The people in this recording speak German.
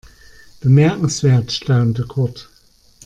Bemerkenswert, staunte Kurt.